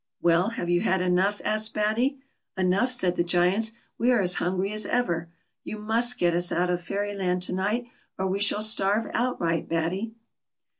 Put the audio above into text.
"Well, have }'ou had enough ?" asked Batty. "Enough I" said the Giants, "we are as hungry as ever. You must get us out of Fairyland to night, or we shall starve outright, Batt}